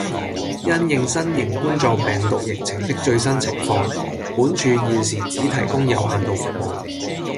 因應新型冠狀病毒疫情的最新情況，本處現時只提供有限度服務